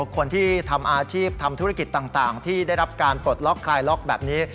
คนที่ทำอาชีพทำธุรกิจต่างที่ได้รับการปลดล็อกคลายล็อกแบบนี้